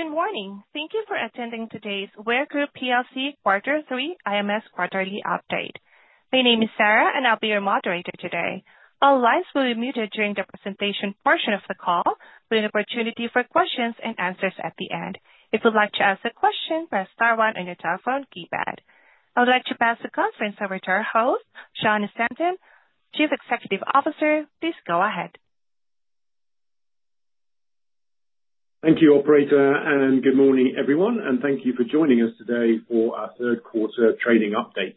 Good morning. Thank you for attending today's The Weir Group PLC Quarter Three IMS Quarterly Update. My name is Sarah, and I'll be your moderator today. All lines will be muted during the presentation portion of the call, with an opportunity for questions and answers at the end. If you'd like to ask a question, press star one on your telephone keypad. I would like to pass the conference over to our host, Jon Stanton, Chief Executive Officer. Please go ahead. Thank you, Operator, and good morning, everyone. And thank you for joining us today for our Third Quarter Trading Update.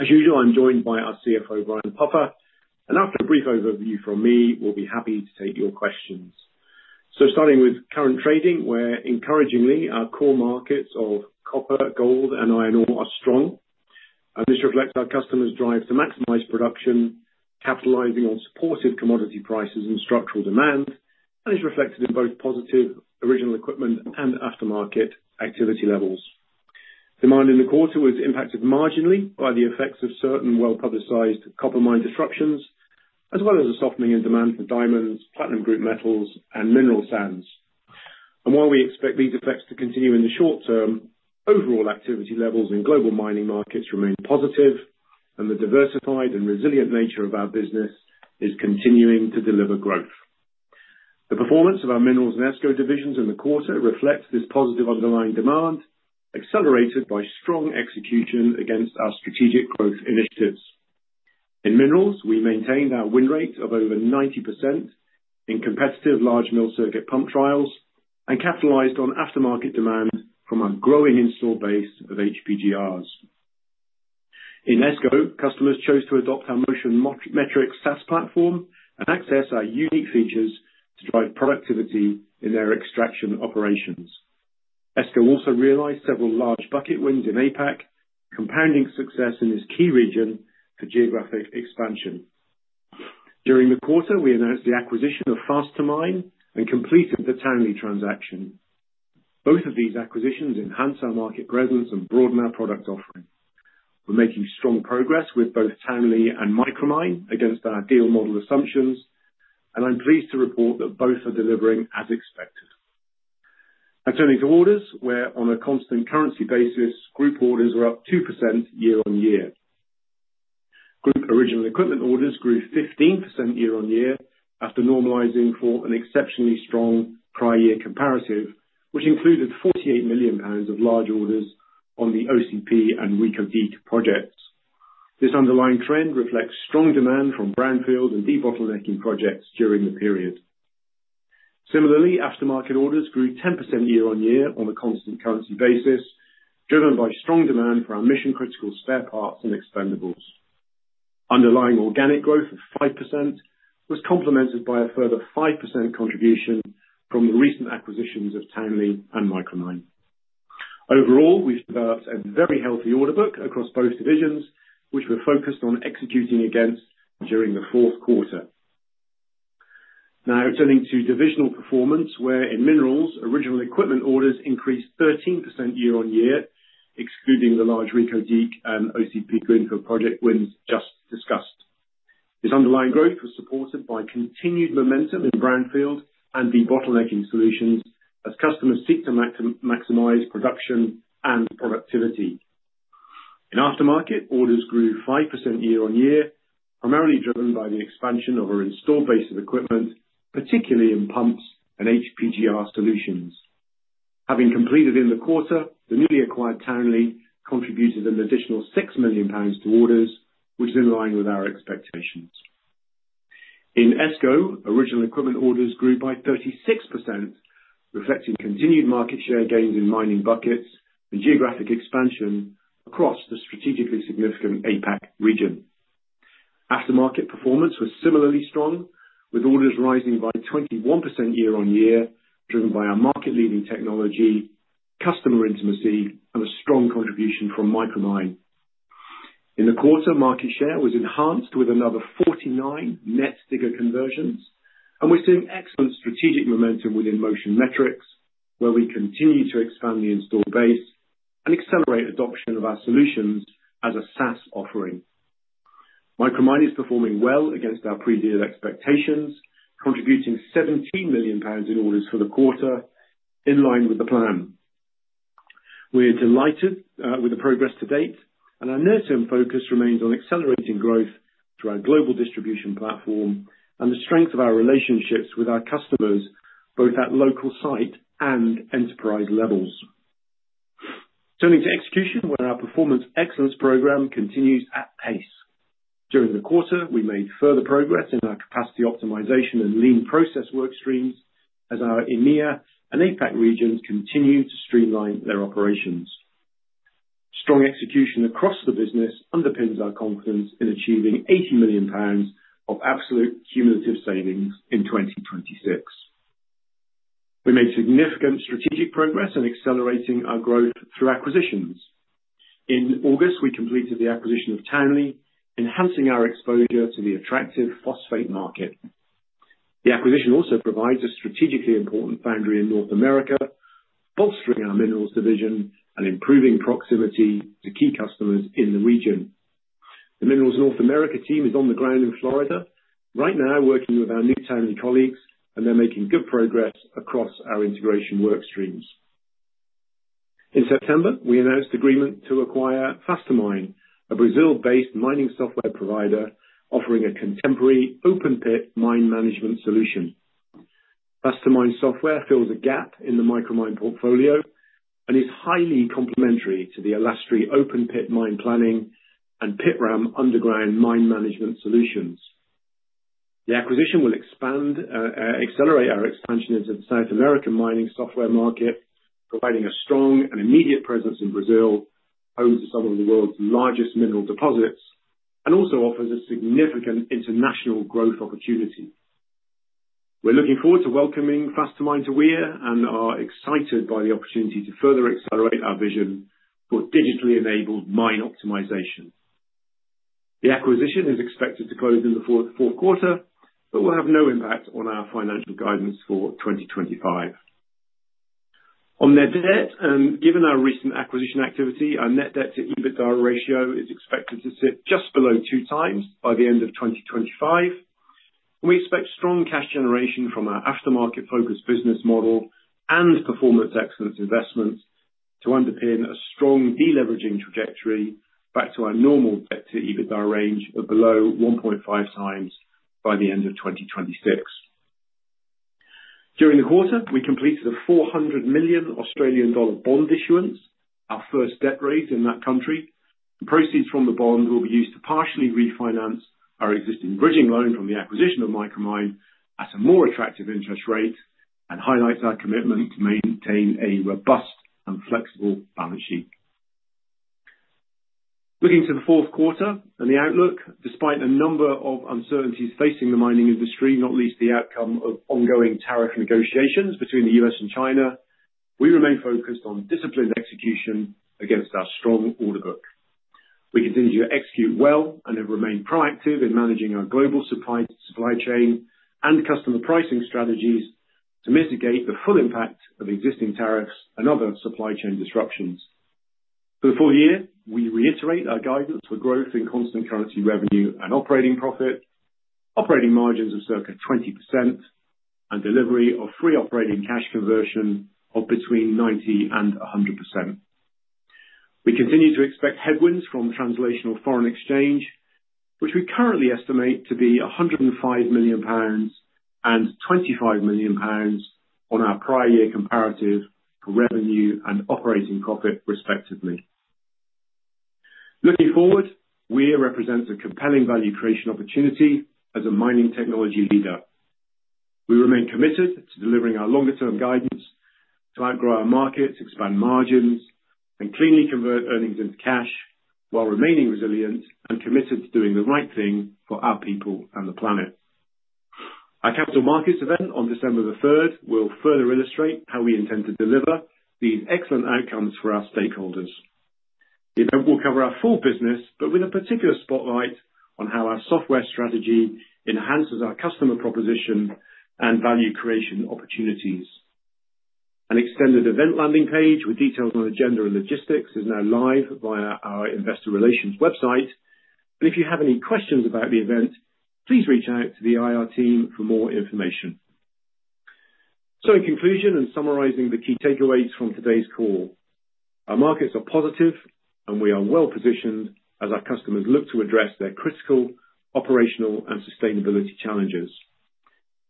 As usual, I'm joined by our CFO, Brian Puffer. And after a brief overview from me, we'll be happy to take your questions. So starting with current trading, where encouragingly our core markets of copper, gold, and iron ore are strong. And this reflects our customers' drive to maximize production, capitalizing on supportive commodity prices and structural demand. And it's reflected in both positive original equipment and aftermarket activity levels. Demand in the quarter was impacted marginally by the effects of certain well-publicized copper mine disruptions, as well as a softening in demand for diamonds, platinum group metals, and mineral sands. While we expect these effects to continue in the short term, overall activity levels in global mining markets remain positive, and the diversified and resilient nature of our business is continuing to deliver growth. The performance of our Minerals and ESCO divisions in the quarter reflects this positive underlying demand, accelerated by strong execution against our strategic growth initiatives. In Minerals, we maintained our win rate of over 90% in competitive large mill circuit pump trials and capitalized on aftermarket demand from our growing installed base of HPGRs. In ESCO, customers chose to adopt MOTION METRICS SaaS platform and access our unique features to drive productivity in their extraction operations. ESCO also realized several large bucket wins in APAC, compounding success in this key region for geographic expansion. During the quarter, we announced the acquisition of Fast2Mine and completed the Townley transaction. Both of these acquisitions enhance our market presence and broaden our product offering. We're making strong progress with both Townley and Micromine against our deal model assumptions, and I'm pleased to report that both are delivering as expected. Now turning to orders, where on a constant currency basis, group orders were up 2% year-on-year. Group original equipment orders grew 15% year-on-year after normalizing for an exceptionally strong prior year comparative, which included 48 million pounds of large orders on the OCP and Reko Diq projects. This underlying trend reflects strong demand from brownfield and debottlenecking projects during the period. Similarly, aftermarket orders grew 10% year-on-year on a constant currency basis, driven by strong demand for our mission-critical spare parts and expendables. Underlying organic growth of 5% was complemented by a further 5% contribution from the recent acquisitions of Townley and Micromine. Overall, we've developed a very healthy order book across both divisions, which we're focused on executing against during the fourth quarter. Now turning to divisional performance, where in minerals, original equipment orders increased 13% year-on-year, excluding the large Reko Diq and OCP Greenfield project wins just discussed. This underlying growth was supported by continued momentum in brownfield and debottlenecking solutions as customers seek to maximize production and productivity. In aftermarket, orders grew 5% year-on-year, primarily driven by the expansion of our installed base of equipment, particularly in pumps and HPGR solutions. Having completed in the quarter, the newly acquired Townley contributed an additional 6 million pounds to orders, which is in line with our expectations. In escrow, original equipment orders grew by 36%, reflecting continued market share gains in mining buckets and geographic expansion across the strategically significant APAC region. Aftermarket performance was similarly strong, with orders rising by 21% year-on-year, driven by our market-leading technology, customer intimacy, and a strong contribution from Micromine. In the quarter, market share was enhanced with another 49 net sticker conversions, and we're seeing excellent strategic momentum within MOTION METRICS, where we continue to expand the in-store base and accelerate adoption of our solutions as a SaaS offering. Micromine is performing well against our previous expectations, contributing 17 million pounds in orders for the quarter, in line with the plan. We're delighted with the progress to date, and our near-term focus remains on accelerating growth through our global distribution platform and the strength of our relationships with our customers, both at local site and enterprise levels. Turning to execution, where our Performance Excellence program continues at pace. During the quarter, we made further progress in our capacity optimization and lean process workstreams as our EMEA and APAC regions continue to streamline their operations. Strong execution across the business underpins our confidence in achieving £80 million of absolute cumulative savings in 2026. We made significant strategic progress in accelerating our growth through acquisitions. In August, we completed the acquisition of Townley, enhancing our exposure to the attractive phosphate market. The acquisition also provides a strategically important foundry in North America, bolstering our minerals division and improving proximity to key customers in the region. The minerals North America team is on the ground in Florida, right now working with our new Townley colleagues, and they're making good progress across our integration workstreams. In September, we announced agreement to acquire Fast2Mine, a Brazil-based mining software provider offering a contemporary open-pit mine management solution. Fast2Mine software fills a gap in the Micromine portfolio and is highly complementary to the Alastri open-pit mine planning and Pitram underground mine management solutions. The acquisition will accelerate our expansion into the South American mining software market, providing a strong and immediate presence in Brazil, home to some of the world's largest mineral deposits, and also offers a significant international growth opportunity. We're looking forward to welcoming Fast2Mine to Weir and are excited by the opportunity to further accelerate our vision for digitally enabled mine optimization. The acquisition is expected to close in the fourth quarter, but will have no impact on our financial guidance for 2025. On net debt, and given our recent acquisition activity, our net debt to EBITDA ratio is expected to sit just below 2x by the end of 2025. We expect strong cash generation from our aftermarket-focused business model and performance excellence investments to underpin a strong deleveraging trajectory back to our normal debt to EBITDA range of below 1.5x by the end of 2026. During the quarter, we completed a 400 million Australian dollar bond issuance, our first debt raise in that country. The proceeds from the bond will be used to partially refinance our existing bridging loan from the acquisition of Micromine at a more attractive interest rate, and highlights our commitment to maintain a robust and flexible balance sheet. Looking to the fourth quarter and the outlook, despite a number of uncertainties facing the mining industry, not least the outcome of ongoing tariff negotiations between the U.S. and China, we remain focused on disciplined execution against our strong order book. We continue to execute well and have remained proactive in managing our global supply chain and customer pricing strategies to mitigate the full impact of existing tariffs and other supply chain disruptions. For the full year, we reiterate our guidance for growth in constant currency revenue and operating profit, operating margins of circa 20%, and delivery of free operating cash conversion of between 90 and 100%. We continue to expect headwinds from translational foreign exchange, which we currently estimate to be £105 million and £25 million on our prior year comparative for revenue and operating profit, respectively. Looking forward, Weir represents a compelling value creation opportunity as a mining technology leader. We remain committed to delivering our longer-term guidance to outgrow our markets, expand margins, and cleanly convert earnings into cash while remaining resilient and committed to doing the right thing for our people and the planet. Our Capital Markets event on December the 3rd will further illustrate how we intend to deliver these excellent outcomes for our stakeholders. The event will cover our full business, but with a particular spotlight on how our software strategy enhances our customer proposition and value creation opportunities. An extended event landing page with details on agenda and logistics is now live via our investor relations website. And if you have any questions about the event, please reach out to the IR team for more information. So, in conclusion and summarizing the key takeaways from today's call, our markets are positive, and we are well positioned as our customers look to address their critical operational and sustainability challenges.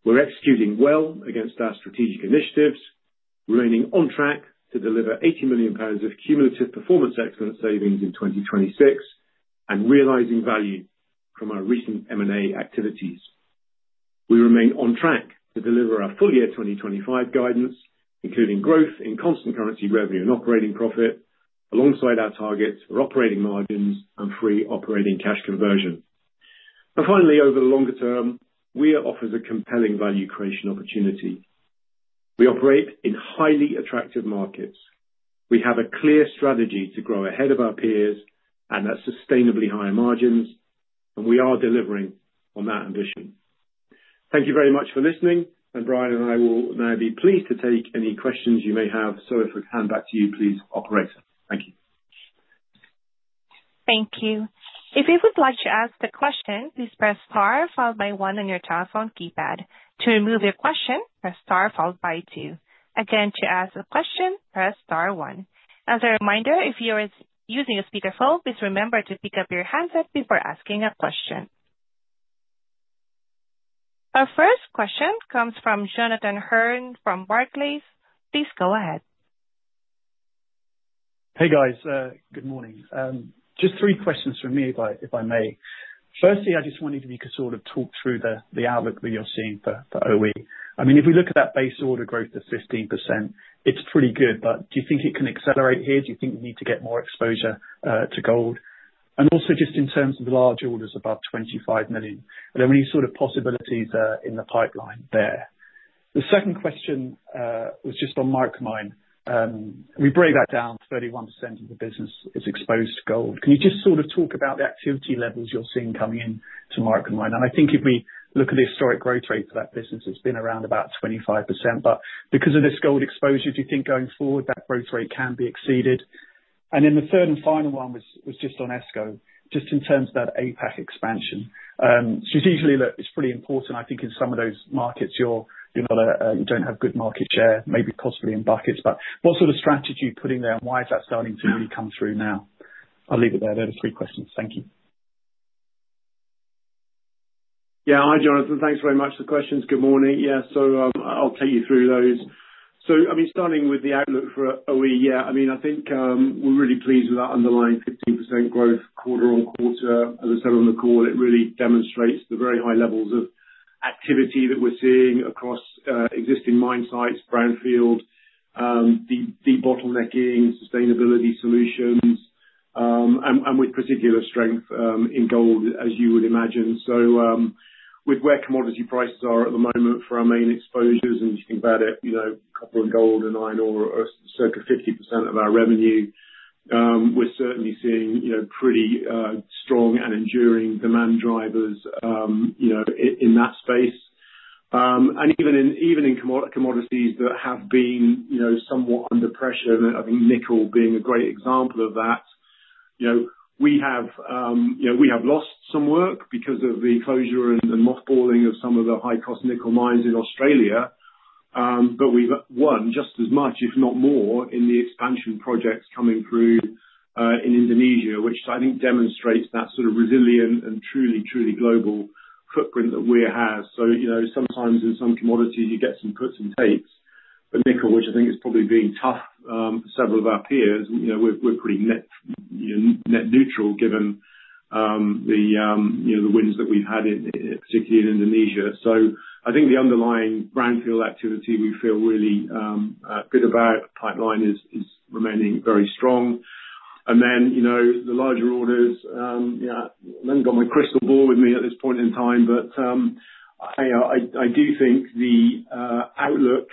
We're executing well against our strategic initiatives, remaining on track to deliver GBP 80 million of cumulative performance excellence savings in 2026, and realizing value from our recent M&A activities. We remain on track to deliver our full year 2025 guidance, including growth in constant currency revenue and operating profit, alongside our targets for operating margins and free operating cash conversion, and finally, over the longer term, Weir offers a compelling value creation opportunity. We operate in highly attractive markets. We have a clear strategy to grow ahead of our peers and at sustainably high margins, and we are delivering on that ambition. Thank you very much for listening, and Brian and I will now be pleased to take any questions you may have, so if we can hand back to you, please, Operator. Thank you. Thank you. If you would like to ask a question, please press star followed by One on your telephone keypad. To remove your question, press star followed by two. Again, to ask a question, press star One. As a reminder, if you are using a speakerphone, please remember to pick up your handset before asking a question. Our first question comes from Jonathan Hurn from Barclays. Please go ahead. Hey, guys. Good morning. Just three questions from me, if I may. Firstly, I just wanted to sort of talk through the outlook that you're seeing for OE. I mean, if we look at that base order growth of 15%, it's pretty good, but do you think it can accelerate here? Do you think we need to get more exposure to gold? And also, just in terms of the large orders above $25 million, are there any sort of possibilities in the pipeline there? The second question was just on Micromine. We break that down to 31% of the business is exposed to gold. Can you just sort of talk about the activity levels you're seeing coming into Micromine? And I think if we look at the historic growth rate for that business, it's been around about 25%. But because of this gold exposure, do you think going forward that growth rate can be exceeded? And then the third and final one was just on escrow, just in terms of that APAC expansion. Strategically, look, it's pretty important. I think in some of those markets, you don't have good market share, maybe possibly in buckets. But what sort of strategy are you putting there? And why is that starting to really come through now? I'll leave it there. There are three questions. Thank you. Yeah, hi, Jonathan. Thanks very much for the questions. Good morning. Yeah, so I'll take you through those. So, I mean, starting with the outlook for OE, yeah, I mean, I think we're really pleased with our underlying 15% growth quarter on quarter. As I said on the call, it really demonstrates the very high levels of activity that we're seeing across existing mine sites, brownfield, de-bottlenecking, sustainability solutions, and with particular strength in gold, as you would imagine. So, with where commodity prices are at the moment for our main exposures, and if you think about it, copper and gold and iron ore are circa 50% of our revenue, we're certainly seeing pretty strong and enduring demand drivers in that space. And even in commodities that have been somewhat under pressure, I think nickel being a great example of that, we have lost some work because of the closure and mothballing of some of the high-cost nickel mines in Australia. But we've won just as much, if not more, in the expansion projects coming through in Indonesia, which I think demonstrates that sort of resilient and truly, truly global footprint that Weir has. So, sometimes in some commodities, you get some puts and takes. But nickel, which I think is probably being tough for several of our peers, we're pretty net neutral given the wins that we've had, particularly in Indonesia. So, I think the underlying brownfield activity we feel really good about. Pipeline is remaining very strong, and then the larger orders, I haven't got my crystal ball with me at this point in time, but I do think the outlook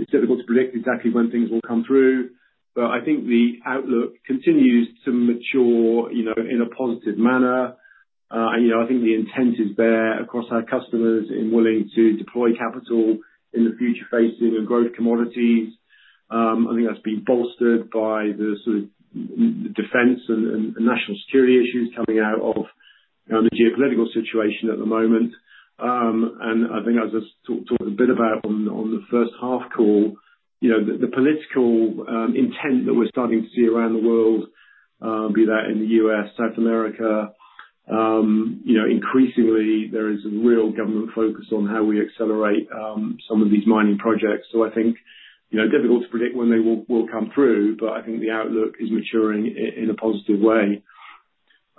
is difficult to predict exactly when things will come through, but I think the outlook continues to mature in a positive manner. I think the intent is there across our customers and willing to deploy capital in the future-facing and growth commodities. I think that's been bolstered by the sort of defense and national security issues coming out of the geopolitical situation at the moment, and I think, as I talked a bit about on the first half call, the political intent that we're starting to see around the world, be that in the U.S., South America, increasingly, there is a real government focus on how we accelerate some of these mining projects, so I think difficult to predict when they will come through, but I think the outlook is maturing in a positive way.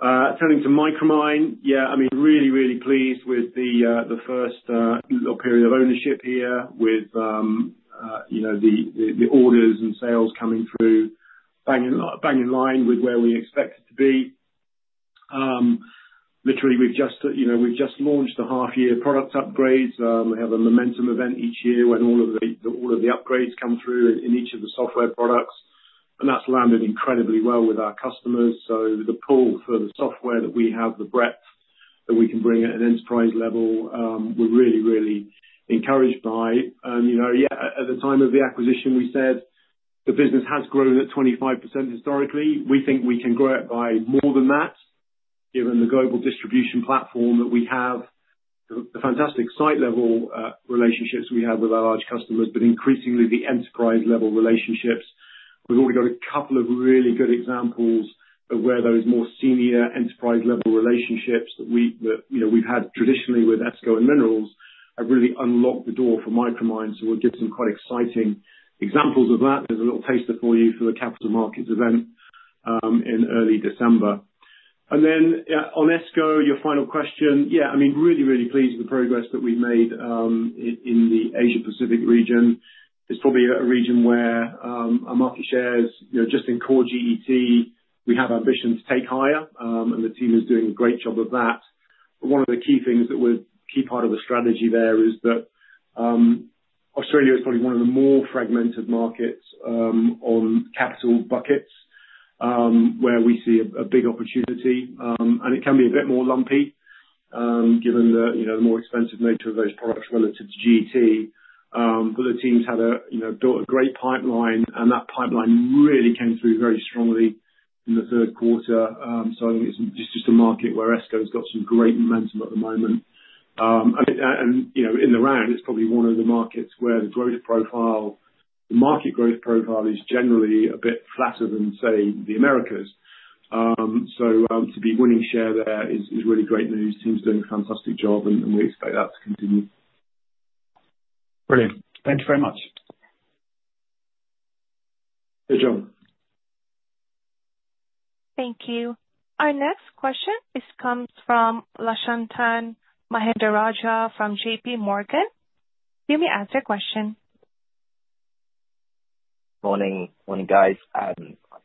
Turning to Micromine, yeah, I mean, really, really pleased with the first period of ownership here with the orders and sales coming through, bang in line with where we expect it to be. Literally, we've just launched the half-year product upgrades. We have a momentum event each year when all of the upgrades come through in each of the software products, and that's landed incredibly well with our customers. So, the pull for the software that we have, the breadth that we can bring at an enterprise level, we're really, really encouraged by. And yeah, at the time of the acquisition, we said the business has grown at 25% historically. We think we can grow it by more than that, given the global distribution platform that we have, the fantastic site-level relationships we have with our large customers, but increasingly the enterprise-level relationships. We've already got a couple of really good examples of where those more senior enterprise-level relationships that we've had traditionally with ESCO and minerals have really unlocked the door for Micromine. So, we'll give some quite exciting examples of that. There's a little taster for you for the Capital Markets event in early December, and then on ESCO, your final question, yeah, I mean, really, really pleased with the progress that we've made in the Asia-Pacific region. It's probably a region where our market shares, just in core GET, we have ambitions to take higher, and the team is doing a great job of that, but one of the key things that we're key part of the strategy there is that Australia is probably one of the more fragmented markets on capital buckets where we see a big opportunity, and it can be a bit more lumpy given the more expensive nature of those products relative to GET, but the team's built a great pipeline, and that pipeline really came through very strongly in the third quarter. So, I think it's just a market where ESCO's got some great momentum at the moment. And in the round, it's probably one of the markets where the growth profile, the market growth profile is generally a bit flatter than, say, the Americas. So, to be winning share there is really great news. The team's doing a fantastic job, and we expect that to continue. Brilliant. Thank you very much. Hey, Jon. Thank you. Our next question comes from Lushanthan Mahendrarajah from JPMorgan. Let me ask your question. Morning, guys. I've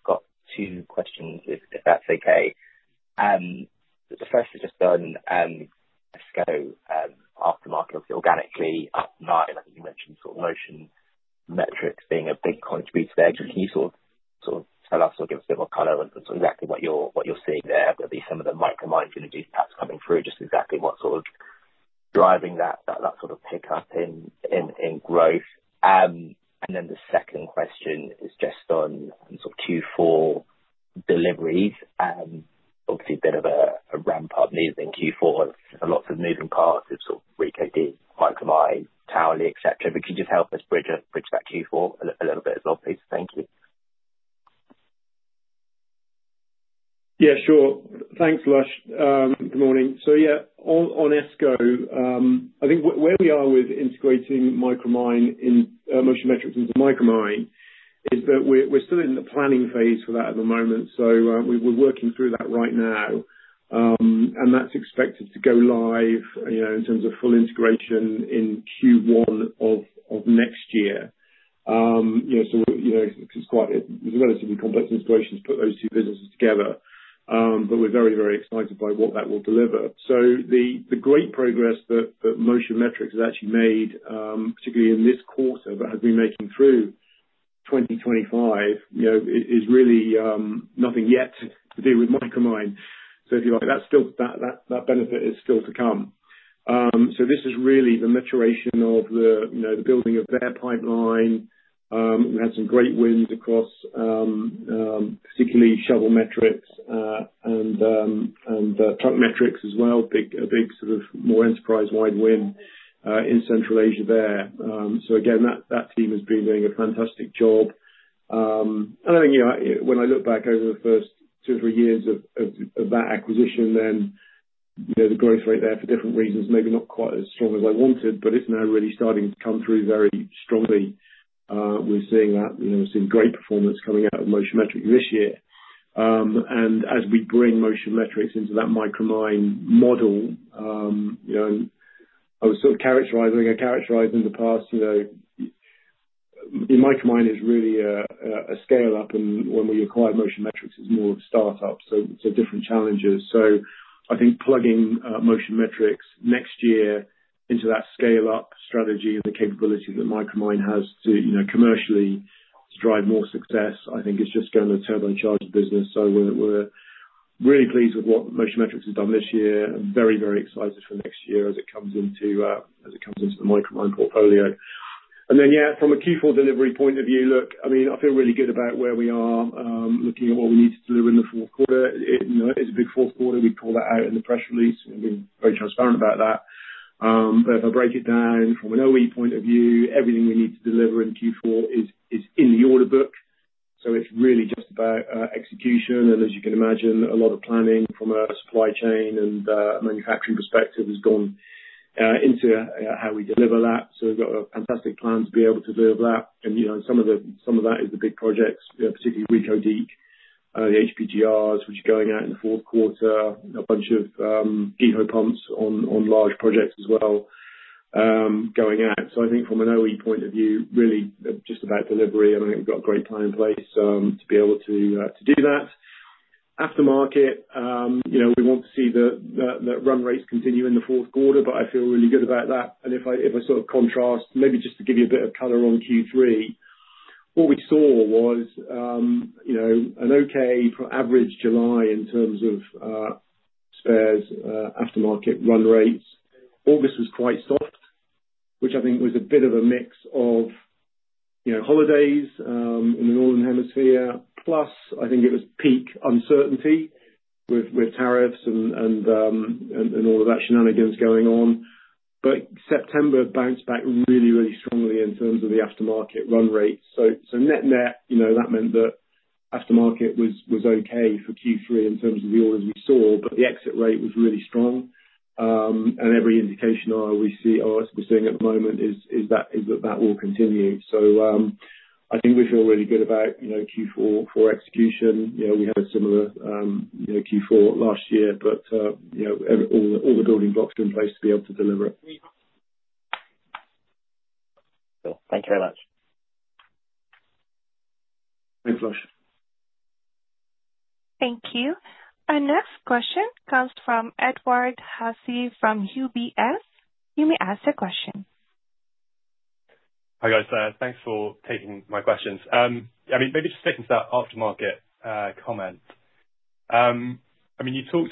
got two questions, if that's okay. The first is just on ESCO aftermarket organically up 9%. I think you mentioned sort of MOTION METRICS being a big contributor there. Can you sort of tell us or give us a bit more color on exactly what you're seeing there, some of the Micromine synergies perhaps coming through, just exactly what's sort of driving that sort of pickup in growth? And then the second question is just on sort of Q4 deliveries. Obviously, a bit of a ramp-up moving Q4. Lots of moving parts of sort of Ricardo, Micromine, Townley, etc. But could you just help us bridge that Q4 a little bit as well, please? Thank you. Yeah, sure. Thanks, Lush. Good morning. So, yeah, on ESCO, I think where we are with integrating Micromine and MOTION METRICS into ESCO is that we're still in the planning phase for that at the moment. So, we're working through that right now, and that's expected to go live in terms of full integration in Q1 of next year. So, it's a relatively complex integration to put those two businesses together, but we're very, very excited by what that will deliver. So, the great progress that MOTION METRICS have actually made, particularly in this quarter that have been making through 2025, is really nothing yet to do with Micromine. So, if you like, that benefit is still to come. So, this is really the maturation of the building of their pipeline. We had some great wins across particularly shovel metrics and truck metrics as well, a big sort of more enterprise-wide win in Central Asia there. So, again, that team has been doing a fantastic job. And I think when I look back over the first 2-3 years of that acquisition, then the growth rate there for different reasons, maybe not quite as strong as I wanted, but it's now really starting to come through very strongly. We're seeing that. We're seeing great performance coming out of MOTION METRICS this year, and as we bring MOTION METRICS into that Micromine model, I was sort of characterizing in the past, Micromine is really a scale-up, and when we acquired MOTION METRICS, it's more of a start-up, so different challenges, so I think plugging MOTION METRICS next year into that scale-up strategy and the capability that Micromine has commercially to drive more success, I think it's just going to turbocharge the business, so we're really pleased with what MOTION METRICS has done this year and very, very excited for next year as it comes into the Micromine portfolio, and then, yeah, from a Q4 delivery point of view, look, I mean, I feel really good about where we are looking at what we need to deliver in the fourth quarter. It's a big fourth quarter. We call that out in the press release. We've been very transparent about that, but if I break it down from an OE point of view, everything we need to deliver in Q4 is in the order book, so it's really just about execution. And as you can imagine, a lot of planning from a supply chain and manufacturing perspective has gone into how we deliver that, so we've got a fantastic plan to be able to deliver that. And some of that is the big projects, particularly Ricardo, the HPGRs, which are going out in the fourth quarter, a bunch of Geho pumps on large projects as well going out, so I think from an OE point of view, really just about delivery. And I think we've got a great plan in place to be able to do that. Aftermarket, we want to see the run rates continue in the fourth quarter, but I feel really good about that. And if I sort of contrast, maybe just to give you a bit of color on Q3, what we saw was an okay average July in terms of spares aftermarket run rates. August was quite soft, which I think was a bit of a mix of holidays in the northern hemisphere, plus I think it was peak uncertainty with tariffs and all of that shenanigans going on. But September bounced back really, really strongly in terms of the aftermarket run rates. So, net-net, that meant that aftermarket was okay for Q3 in terms of the orders we saw, but the exit rate was really strong. And every indication we see at the moment is that that will continue. So, I think we feel really good about Q4 execution. We had a similar Q4 last year, but all the building blocks are in place to be able to deliver it. Cool. Thank you very much. Thanks, Lush. Thank you. Our next question comes from Edward Hussey from UBS. You may ask your question. Hi, guys. Thanks for taking my questions. I mean, maybe just talking to that aftermarket comment. I mean, you talked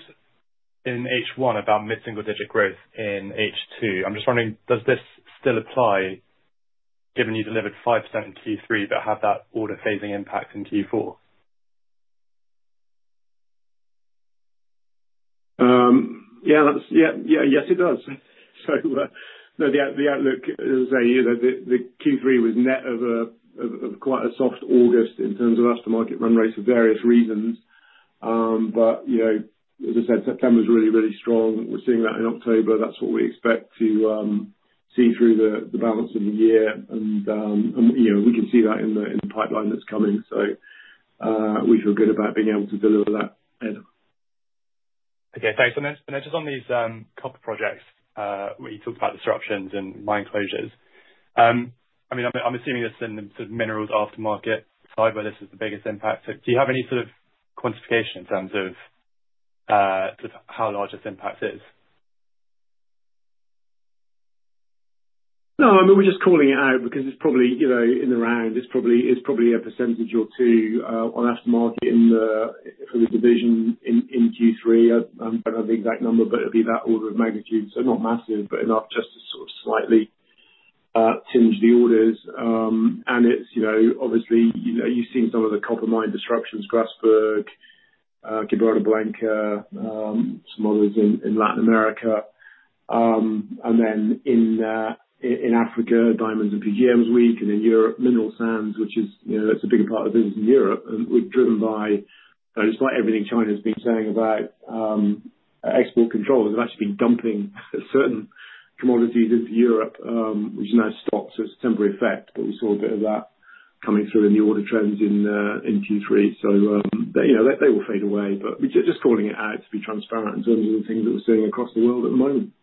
in H1 about mid-single-digit growth in H2. I'm just wondering, does this still apply given you delivered 5% in Q3, but have that order phasing impact in Q4? Yeah. Yes, it does. So, the outlook, as I say, the Q3 was net of quite a soft August in terms of aftermarket run rates for various reasons. But as I said, September was really, really strong. We're seeing that in October. That's what we expect to see through the balance of the year. And we can see that in the pipeline that's coming. So, we feel good about being able to deliver that. Okay. Thanks. And then just on these copper projects, where you talked about disruptions and mine closures, I mean, I'm assuming this is in the sort of minerals aftermarket side, but this is the biggest impact. Do you have any sort of quantification in terms of how large this impact is? No. I mean, we're just calling it out because it's probably in the round. It's probably 1% or 2% on aftermarket for the division in Q3. I don't have the exact number, but it'd be that order of magnitude. So, not massive, but enough just to sort of slightly tinge the orders. And obviously, you've seen some of the copper mine disruptions: Grasberg, Gibraltar, Blanca, some others in Latin America. And then in Africa, diamonds and Fugerham's weak. In Europe, Mineral Sands, which is a bigger part of the business in Europe, and we're driven by, despite everything China has been saying about export controls, they've actually been dumping certain commodities into Europe, which is now stopped to its temporary effect. We saw a bit of that coming through in the order trends in Q3. They will fade away. Just calling it out to be transparent in terms of the things that we're seeing across the world at the moment.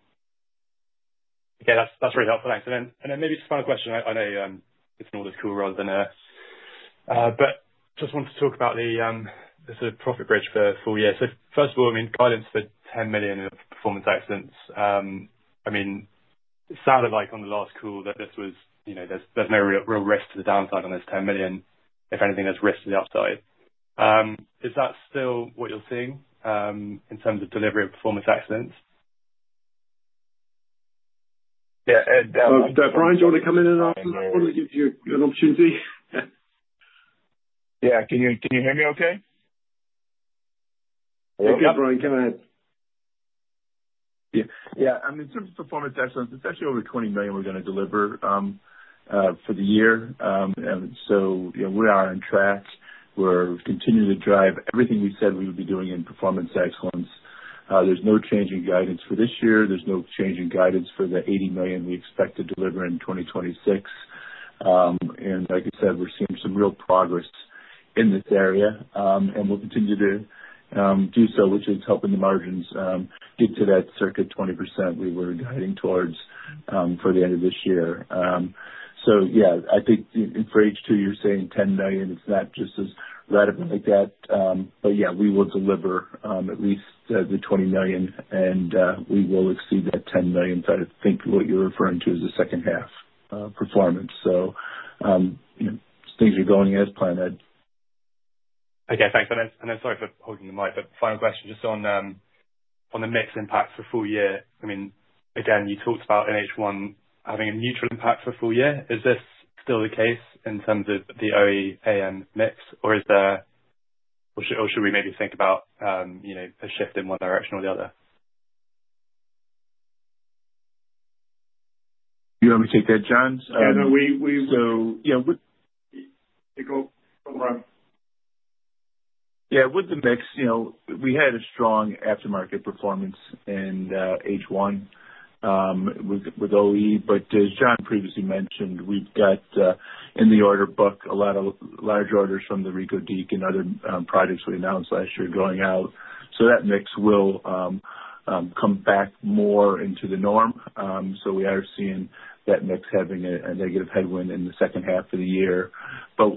Okay. That's really helpful. Thanks. Then maybe just final question. I know it's an order call rather than a... Just want to talk about the sort of profit bridge for full year. First of all, I mean, guidance for 10 million of Performance Excellence. I mean, it sounded like on the last call that this was, there's no real risk to the downside on this 10 million. If anything, there's risk to the upside. Is that still what you're seeing in terms of delivery of Performance Excellence? Yeah. Does Brian join in at all? I want to give you an opportunity. Yeah. Can you hear me okay? Yeah. Yeah. Brian, come in. Yeah. And in terms of Performance Excellence, it's actually over 20 million we're going to deliver for the year. And so, we are on track. We're continuing to drive everything we said we would be doing in Performance Excellence. There's no change in guidance for this year. There's no change in guidance for the 80 million we expect to deliver in 2026. And like I said, we're seeing some real progress in this area. And we'll continue to do so, which is helping the margins get to that circa 20% we were guiding towards for the end of this year. So, yeah, I think for H2, you're saying 10 million. It's not just as radical like that. But yeah, we will deliver at least the 20 million, and we will exceed that 10 million. But I think what you're referring to is the second half performance. So, things are going as planned. Okay. Thanks. And I'm sorry for holding the mic. But final question, just on the mix impact for full year. I mean, again, you talked about in H1 having a neutral impact for full year. Is this still the case in terms of the OE-AM mix, or should we maybe think about a shift in one direction or the other? You want me to take that, Jon? Yeah. So, yeah. Yeah. With the mix, we had a strong aftermarket performance in H1 with OE. But as John previously mentioned, we've got in the order book a lot of large orders from the Ricard and other projects we announced last year going out. So, that mix will come back more into the norm. So, we are seeing that mix having a negative headwind in the second half of the year. But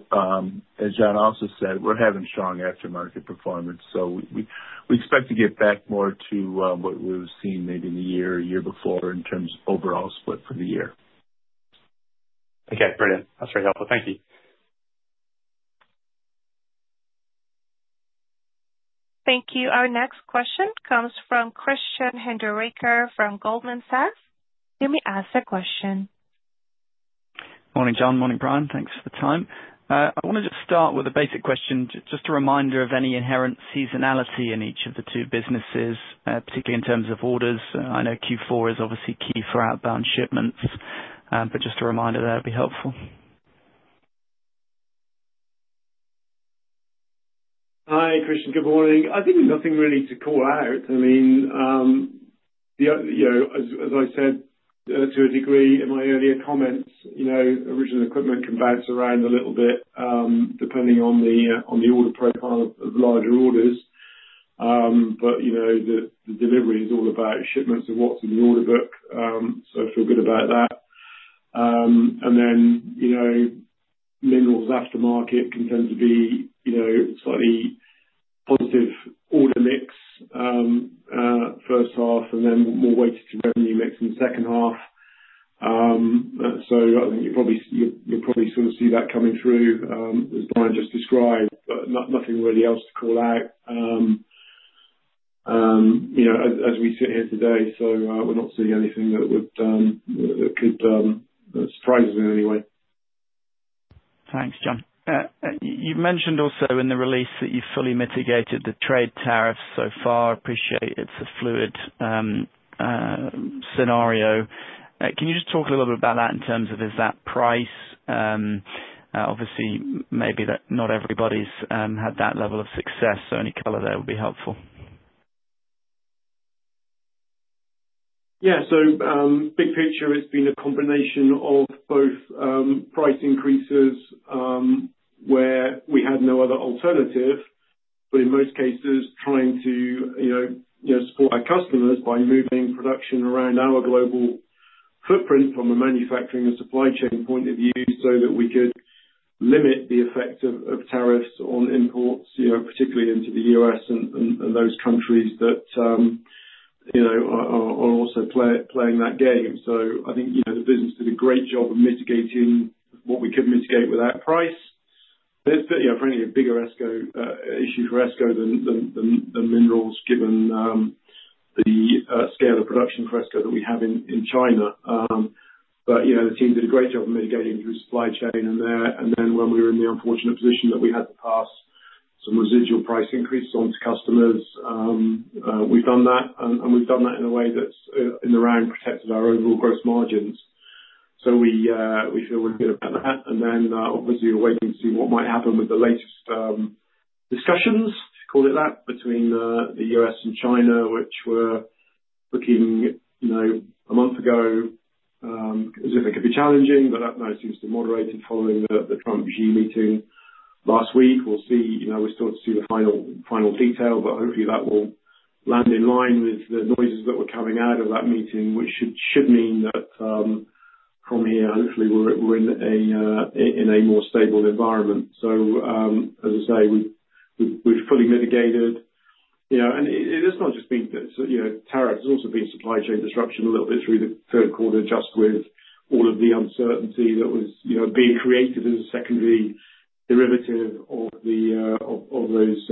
as John also said, we're having strong aftermarket performance. So, we expect to get back more to what we were seeing maybe in the year or year before in terms of overall split for the year. Okay. Brilliant. That's very helpful. Thank you. Thank you. Our next question comes from Christian Hinderaker from Goldman Sachs. Let me ask the question. Morning, Jon. Morning, Brian. Thanks for the time. I want to just start with a basic question, just a reminder of any inherent seasonality in each of the two businesses, particularly in terms of orders. I know Q4 is obviously key for outbound shipments, but just a reminder that would be helpful. Hi, Christian. Good morning. I think nothing really to call out. I mean, as I said to a degree in my earlier comments, original equipment can bounce around a little bit depending on the order profile of larger orders. But the delivery is all about shipments of what's in the order book. So, I feel good about that. And then minerals aftermarket can tend to be slightly positive order mix first half and then more weighted to revenue mix in the second half. So, I think you'll probably sort of see that coming through, as Brian just described, but nothing really else to call out as we sit here today. So, we're not seeing anything that could surprise us in any way. Thanks, Jon. You mentioned also in the release that you've fully mitigated the trade tariffs so far. Appreciate it's a fluid scenario. Can you just talk a little bit about that in terms of is that price? Obviously, maybe not everybody's had that level of success. So, any color there would be helpful. Yeah. So, big picture, it's been a combination of both price increases where we had no other alternative, but in most cases, trying to support our customers by moving production around our global footprint from a manufacturing and supply chain point of view so that we could limit the effect of tariffs on imports, particularly into the U.S. and those countries that are also playing that game. So, I think the business did a great job of mitigating what we could mitigate without price. But it's apparently a bigger issue for ESCO than minerals, given the scale of production for ESCO that we have in China. But the team did a great job of mitigating through supply chain. And then when we were in the unfortunate position that we had to pass some residual price increase onto customers, we've done that. We've done that in a way that's in the round protected our overall gross margins. So, we feel really good about that. Then obviously, we're waiting to see what might happen with the latest discussions, call it that, between the U.S. and China, which were looking a month ago as if it could be challenging. That now seems to have moderated following the Trump-Xi meeting last week. We'll see. We're still to see the final detail, but hopefully, that will land in line with the noises that were coming out of that meeting, which should mean that from here, hopefully, we're in a more stable environment. As I say, we've fully mitigated. It's not just been tariffs. It's also been supply chain disruption a little bit through the third quarter, just with all of the uncertainty that was being created as a secondary derivative of those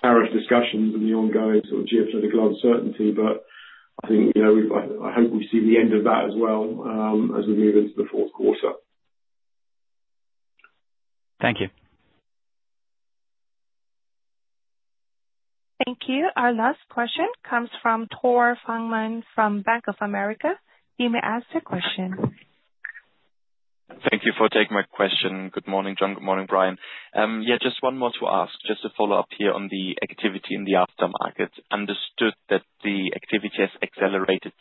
tariff discussions and the ongoing sort of geopolitical uncertainty, but I think I hope we see the end of that as well as we move into the fourth quarter. Thank you. Thank you. Our last question comes from Tore Fangmann from Bank of America. He may ask a question. Thank you for taking my question. Good morning, John. Good morning, Brian. Yeah. Just one more to ask, just to follow up here on the activity in the aftermarket. Understood that the activity has accelerated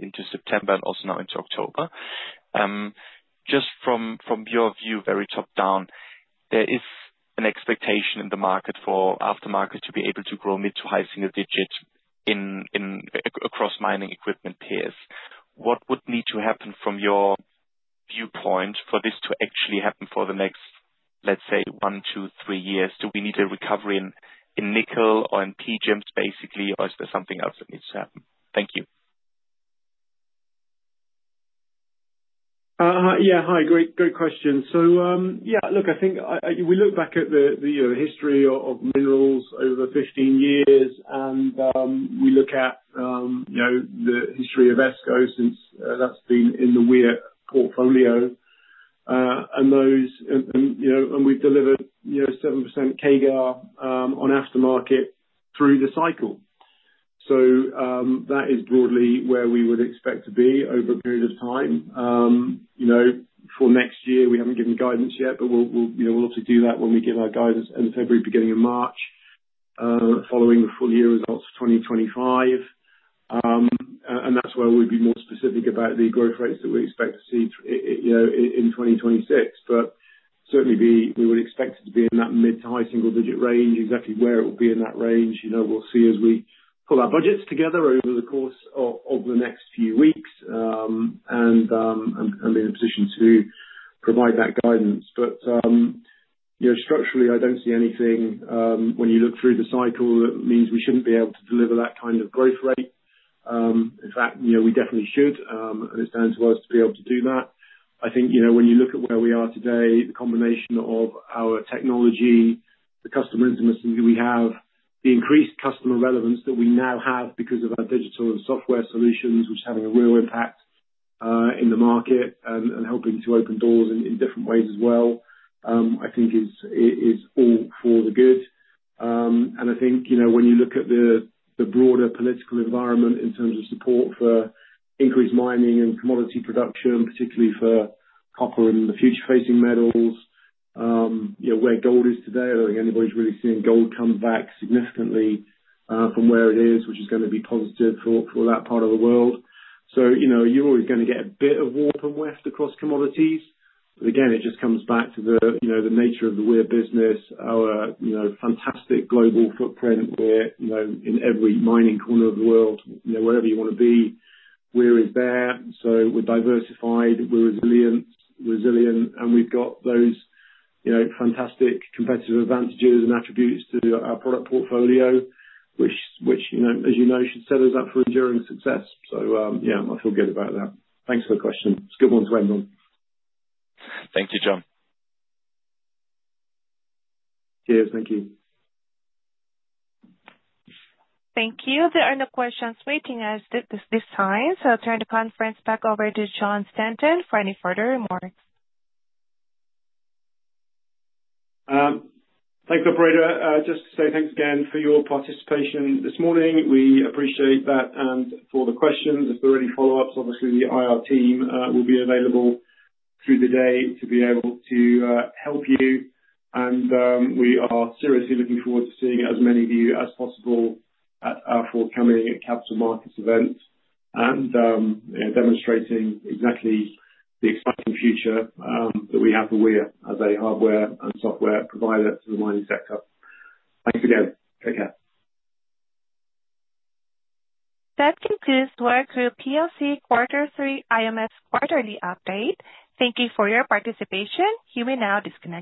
into September and also now into October. Just from your view, very top down, there is an expectation in the market for aftermarket to be able to grow mid- to high single-digit across mining equipment peers. What would need to happen from your viewpoint for this to actually happen for the next, let's say, 1, 2, 3 years? Do we need a recovery in nickel or in PGMs, basically, or is there something else that needs to happen? Thank you. Yeah. Hi. Great question. So, yeah, look, I think we look back at the history of minerals over 15 years, and we look at the history of ESCO since that's been in the Weir portfolio, and we've delivered 7% CAGR on aftermarket through the cycle, so that is broadly where we would expect to be over a period of time. For next year, we haven't given guidance yet, but we'll obviously do that when we give our guidance in February, beginning of March, following the full year results for 2025. And that's where we'd be more specific about the growth rates that we expect to see in 2026. But certainly, we would expect it to be in that mid to high single-digit range, exactly where it will be in that range. We'll see as we pull our budgets together over the course of the next few weeks and be in a position to provide that guidance. But structurally, I don't see anything when you look through the cycle that means we shouldn't be able to deliver that kind of growth rate. In fact, we definitely should, and it's down to us to be able to do that. I think when you look at where we are today, the combination of our technology, the customer intimacy that we have, the increased customer relevance that we now have because of our digital and software solutions, which is having a real impact in the market and helping to open doors in different ways as well, I think is all for the good. And I think when you look at the broader political environment in terms of support for increased mining and commodity production, particularly for copper and the future-facing metals, where gold is today, I don't think anybody's really seeing gold come back significantly from where it is, which is going to be positive for that part of the world. So, you're always going to get a bit of warp and weft across commodities. But again, it just comes back to the nature of the Weir business, our fantastic global footprint. We're in every mining corner of the world. Wherever you want to be, Weir is there. So, we're diversified, we're resilient, and we've got those fantastic competitive advantages and attributes to our product portfolio, which, as you know, should set us up for enduring success. So, yeah, I feel good about that. Thanks for the question. It's a good one to end on. Thank you, Jon. Cheers. Thank you. Thank you. There are no questions waiting as this is signed. I'll turn the conference back over to Jon Stanton for any further remarks. Thanks, Operator. Just to say thanks again for your participation this morning. We appreciate that and for the questions. If there are any follow-ups, obviously, the IR team will be available through the day to be able to help you. We are seriously looking forward to seeing as many of you as possible at our forthcoming capital markets event and demonstrating exactly the exciting future that we have for Weir as a hardware and software provider to the mining sector. Thanks again. Take care. That concludes Weir Group PLC Quarter 3 IMS Quarterly Update. Thank you for your participation. You may now disconnect.